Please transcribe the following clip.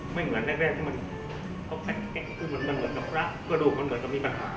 ไม่เหมือนแรกก็แก๊กคือมันเหมือนกับรักกระดูกมันเหมือนกับมีปัญหา